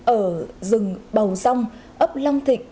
ở rừng bầu rông ấp long thịnh